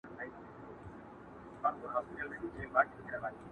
قاضي و ویله هیڅ پروا یې نسته،